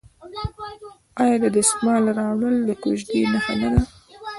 آیا د دسمال راوړل د کوژدې نښه نه ده؟